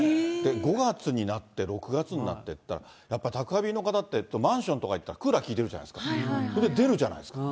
５月になって、６月になってっていったら、やっぱり宅配便の方って、マンションとか行ったら、クーラー効いてるじゃないですか、それで出るじゃないですか。